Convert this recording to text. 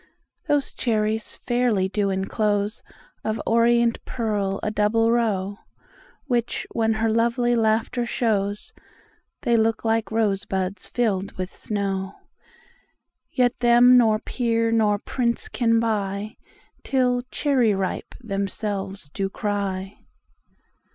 Those cherries fairly do encloseOf orient pearl a double row, Which when her lovely laughter shows, They look like rose buds fill'd with snow; Yet them nor peer nor prince can buyTill 'Cherry ripe' themselves do cry.